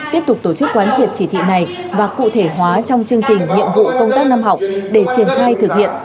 tiếp tục tổ chức quán triệt chỉ thị này và cụ thể hóa trong chương trình nhiệm vụ công tác năm học để triển khai thực hiện